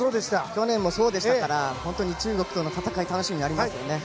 去年もそうでしたから中国との戦い楽しみになりますよね。